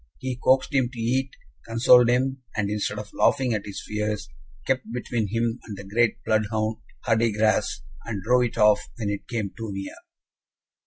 He coaxed him to eat, consoled him, and, instead of laughing at his fears, kept between him and the great bloodhound Hardigras, and drove it off when it came too near.